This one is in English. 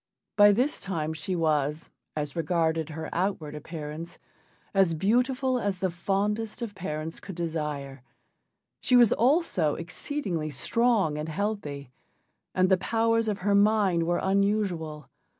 By this time she was, as regarded her outward appearance, as beautiful as the fondest of parents could desire; she was also exceedingly strong and healthy, and the powers of her mind were unusual.